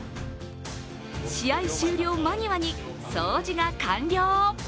試合終了間際に掃除が完了。